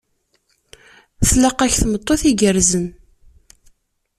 Tlaq-ak tameṭṭut igerrzen.